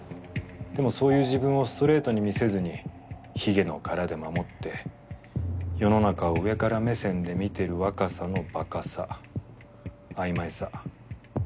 でもそういう自分をストレートに見せずに卑下の殻で守って世の中を上から目線で見てる若さのばかさ曖昧さ。